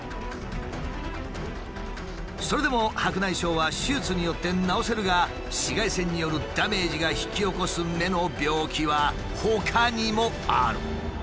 それでも白内障は手術によって治せるが紫外線によるダメージが引き起こす目の病気はほかにもある。